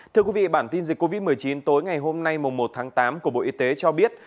thưa quý vị bản tin dịch covid một mươi chín tối ngày hôm nay một tháng tám của bộ y tế cho biết